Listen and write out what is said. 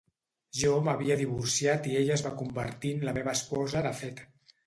Jo m'havia divorciat i ella es va convertir en la meva esposa de fet.